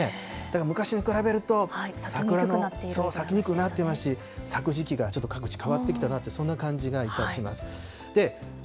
だから昔に比べると、桜が咲きにくくなっていますし、咲く時期がちょっと各地、変わってきたなと、そんな感じがいたします。